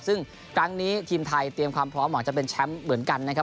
ซึ่งครั้งนี้ทีมไทยเตรียมความพร้อมหวังจะเป็นแชมป์เหมือนกันนะครับ